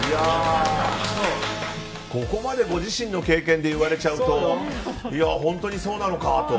ここまでご自身の経験で言われちゃうと本当にそうなのかと。